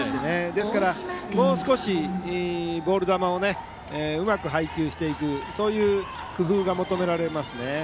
ですから、もう少しボール球をうまく配球していくそういう工夫が求められますね。